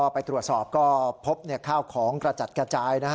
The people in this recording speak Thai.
ไปตรวจสอบก็พบข้าวของกระจัดกระจาย